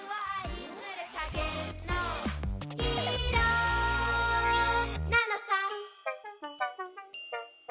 「影のヒーローなのさ」